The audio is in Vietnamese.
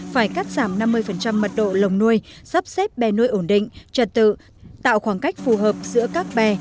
phải cắt giảm năm mươi mật độ lồng nuôi sắp xếp bè nuôi ổn định trật tự tạo khoảng cách phù hợp giữa các bè